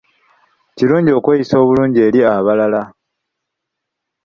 Kirungi okweyisa obulungi eri abalala.